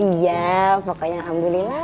iya pokoknya alhamdulillah